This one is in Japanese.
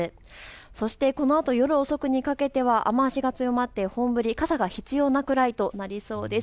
そして、このあと夜遅くにかけては雨足が強まって本降り、傘が必要なくらいとなりそうです。